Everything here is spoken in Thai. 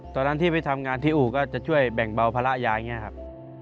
ตอนนั้นที่ไปทำงานที่อู่ก็จะช่วยแบ่งเบาภาระยายอย่างนี้ครับ